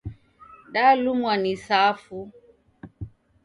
Dalumwa ni safu.